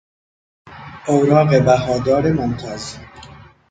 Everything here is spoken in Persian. اوراق بهادار ممتاز